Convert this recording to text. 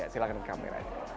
silahkan ke kameranya